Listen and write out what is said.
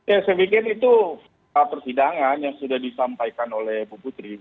ya saya pikir itu persidangan yang sudah disampaikan oleh bu putri